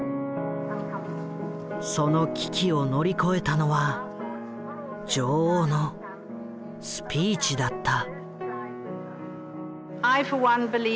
その危機を乗り越えたのは女王のスピーチだった。